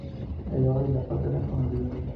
El oro y la plata eran conocidos.